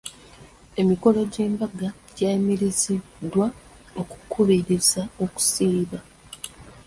Emikolo gy'embaga gyayimiriziddwa okukubiriza okusiiba.